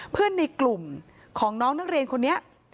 เพื่อนในกลุ่มของน้องนักเรียนคนนี้